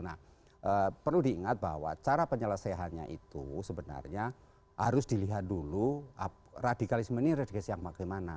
nah perlu diingat bahwa cara penyelesaiannya itu sebenarnya harus dilihat dulu radikalisme ini radikalisasi yang bagaimana